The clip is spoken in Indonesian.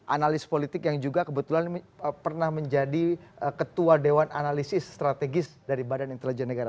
analis politik yang juga kebetulan pernah menjadi ketua dewan analisis strategis dari badan intelijen negara